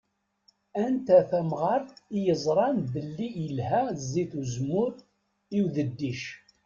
Anta tamɣaṛt i yeẓṛan belli ilha zzit uzemmur i udeddic.